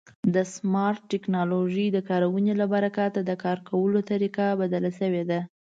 د سمارټ ټکنالوژۍ د کارونې له برکته د کار کولو طریقه بدله شوې ده.